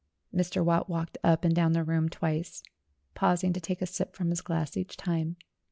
Mr. Watt walked up and down the room twice, paus ing to take a sip from his glass each time.